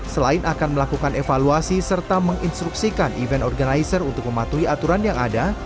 selain akan melakukan evaluasi serta menginstruksikan event organizer untuk mematuhi aturan yang ada